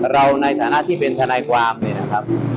ในฐานะที่เป็นทนายความเนี่ยนะครับ